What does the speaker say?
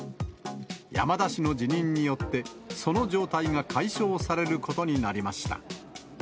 山田氏の辞任によって、その状態が解消されることになりました。